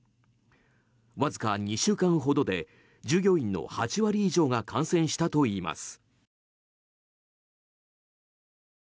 わずか２週間ほどで従業員の８割以上が感染したといいます。